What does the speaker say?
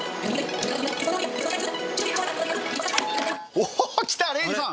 おおっきたレイジさん。